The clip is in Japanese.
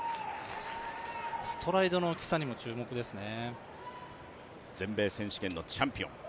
ストライドの大きさにも注目ですね。